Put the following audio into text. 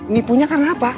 nipunya karena apa